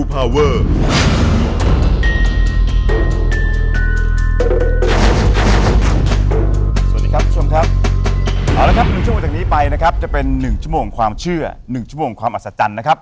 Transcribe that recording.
เอาละครับ๑ชั่วโมงจากนี้ไปนะครับจะเป็น๑ชั่วโมงความเชื่อ๑ชั่วโมงความอัศจรรย์นะครับ